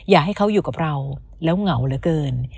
อยากให้เขาอยู่กับเราแล้วเหงาเหลือเกิน